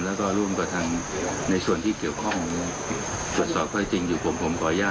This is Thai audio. แล้วก็ร่วมกับทางในส่วนที่เกี่ยวข้องตรวจสอบข้อที่จริงอยู่ผมผมขออนุญาต